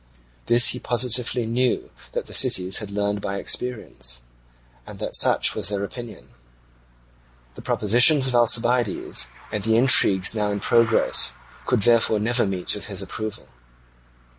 This he positively knew that the cities had learned by experience, and that such was their opinion. The propositions of Alcibiades, and the intrigues now in progress, could therefore never meet with his approval.